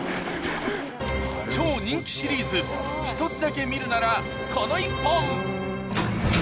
超人気シリーズひとつだけ見るならこの１本。